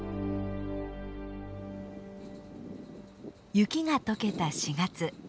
雪が解けた４月。